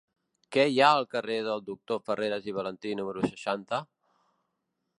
Què hi ha al carrer del Doctor Farreras i Valentí número seixanta?